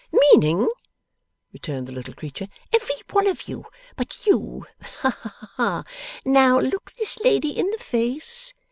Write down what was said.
'Meaning,' returned the little creature, 'every one of you, but you. Hah! Now look this lady in the face.